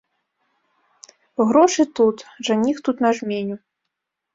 Грошы тут, жаніх тут на жменю.